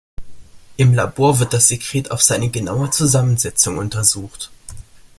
Im Labor wird das Sekret auf seine genaue Zusammensetzung untersucht.